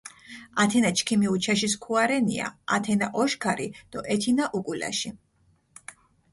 ათენა ჩქიმი უჩაში სქუა რენია, ათენა ოშქარი დო ეთინა უკულაში.